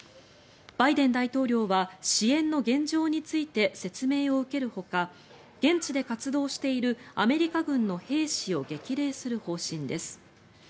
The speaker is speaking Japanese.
バイデン大統領は支援の現状について説明を受けるほか現地で活動しているアメリカ軍の兵士を激励する方針です。